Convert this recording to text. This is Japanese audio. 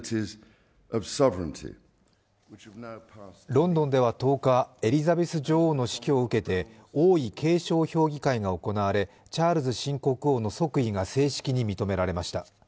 ロンドンでは１０日、エリザベス女王の死去を受けて王位継承評議会が行われチャールズ新国王の即位が正式に認められました。